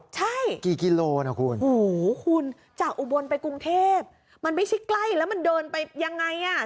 ใช่กี่กิโลนะคุณโอ้โหคุณจากอุบลไปกรุงเทพมันไม่ใช่ใกล้แล้วมันเดินไปยังไงอ่ะ